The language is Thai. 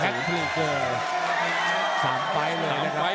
ออกไคล๓ฟ้ายนะคะ